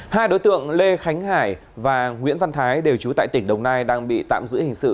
hai đối tượng lê khánh hải và nguyễn văn thái đều trú tại tỉnh đồng nai đang bị tạm giữ hình sự